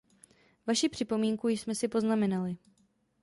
Vaši připomínku jsme si poznamenali.